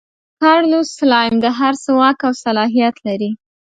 کارلوس سلایم د هر څه واک او صلاحیت لري.